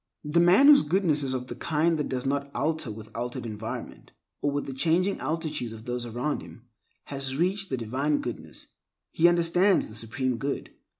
The man whose goodness is of the kind that does not alter with altered environment, or with the changing attitudes of those around him, has reached the Divine Goodness; he understands the Supreme Good.